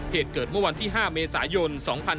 เหตุเกิดเมื่อวันที่๕เมษายน๒๕๕๙